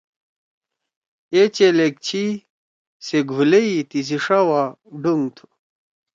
اے چیلیگ چھی سے گُھولَئی تیِسی ݜا وا ڈونگ تُھو۔